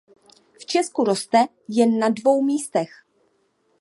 V Česku roste jen na dvou místech.